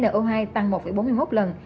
no hai tăng một bốn mươi một lần